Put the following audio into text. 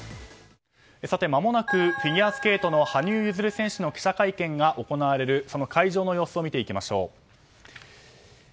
まもなくフィギュアスケートの羽生結弦選手の記者会見が行われる会場の様子を見てみましょう。